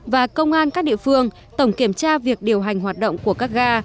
và công an các địa phương tổng kiểm tra việc điều hành hoạt động của các ga